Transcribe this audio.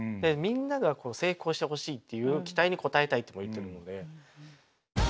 みんなが成功してほしいっていう期待に応えたいとも言ってるので。